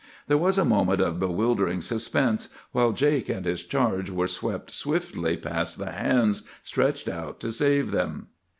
"There was a moment of bewildering suspense, while Jake and his charge were swept swiftly past the hands stretched out to save them.